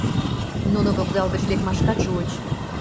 Нуно вокзал гыч лекмашкат шуыч.